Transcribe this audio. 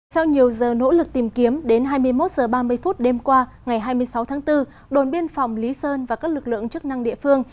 sau nhiều giờ nỗ lực tìm kiếm đến hai mươi một h ba mươi đêm qua ngày hai mươi sáu tháng bốn đồn biên phòng lý sơn và các lực lượng chức năng địa phương